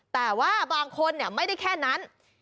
แต่ว่าบางคนไม่ได้แค่นั้น